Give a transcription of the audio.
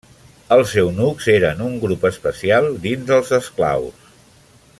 Els eunucs eren un grup especial dins dels esclaus.